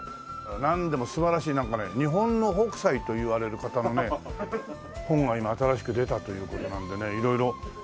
なんでも素晴らしいなんかね日本の北斎といわれる方の本が今新しく出たという事なんでね色々見てみましょう。